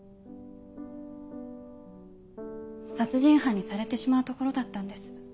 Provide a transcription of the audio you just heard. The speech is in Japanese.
殺人犯にされてしまうところだったんです。